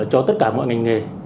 cho tất cả mọi ngành nghề